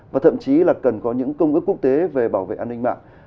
và thậm chí là cần có những công ước quốc tế về bảo vệ an ninh mạng